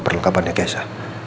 perlengkapan ya keisha